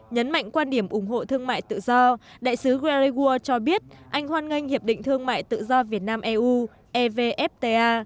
nhấn mạnh quan điểm ủng hộ thương mại tự do đại sứ graegua cho biết anh hoan nghênh hiệp định thương mại tự do việt nam eu evfta